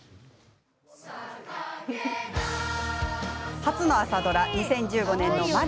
初の朝ドラは２０１５年の「まれ」。